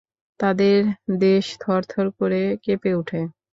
তাদের দেশ থর থর করে কেঁপে ওঠে।